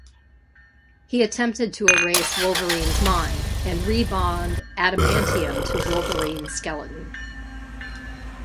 He attempted to erase Wolverine's mind and re-bond adamantium to Wolverine's skeleton.